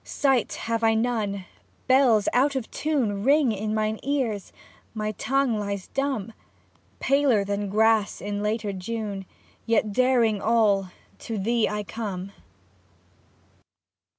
Sight have I none, bells out of tune Ring in mine ears, my tongue lies dumb ; Paler than grass in later June, Yet daring all (To thee I come).